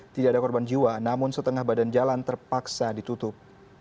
tidak ada korban jiwa namun setengah badan jalan terpaksa ditutup